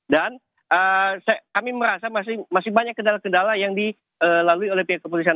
dan kami merasa masih banyak kendala kendala yang dilalui oleh pihak kepolisian